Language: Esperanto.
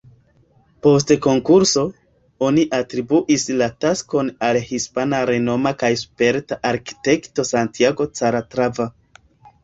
Post konkurso, oni atribuis la taskon al hispana renoma kaj sperta arkitekto Santiago Calatrava.